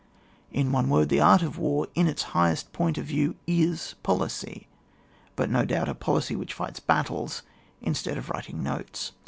In one word, the art of war in its highest point of view is policy, but, no doubt, a policy which flghts battles, instead of writing notes.